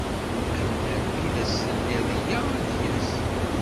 Amdan mi ad s-tiniḍ yya ad d-yas.